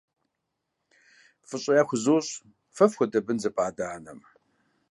ФӀыщӀэ яхузощӏ фэ фхуэдэ бын зыпӏа адэ-анэм!